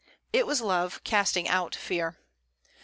It was love casting out fear.